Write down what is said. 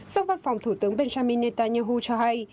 sau văn phòng thủ tướng benjamin netanyahu cho hay